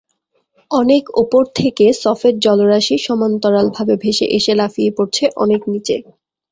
অনেক ওপর থেকে সফেদ জলরাশি সমান্তরালভাবে ভেসে এসে লাফিয়ে পড়ছে অনেক নিচে।